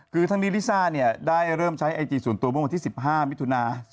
คือที่ลิซ่าได้เริ่มใช้ไอจีสนตัวบน๑๕มิถุนา๒๐๑๘